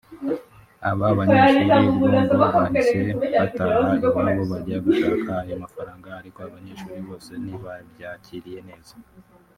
Aba banyeshuri ubwo ngo bahise bataha iwabo bajya gushaka ayo mafranga ariko abanyeshuri bose ntibabyakiriye neza